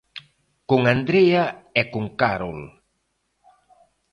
Con Andrea e con Carol.